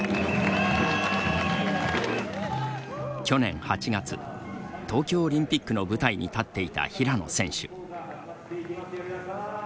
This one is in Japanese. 去年８月東京オリンピックの舞台に立っていた平野選手。